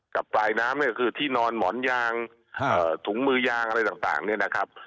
กับปลายน้ำเนี่ยก็คือที่นอนหมอนยางถุงมือยางอะไรต่างเนี่ยนะครับ